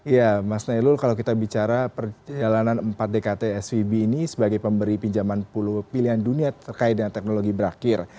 ya mas nailul kalau kita bicara perjalanan empat dkt svb ini sebagai pemberi pinjaman sepuluh pilihan dunia terkait dengan teknologi berakhir